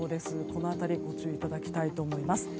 この辺りご注意いただきたいと思います。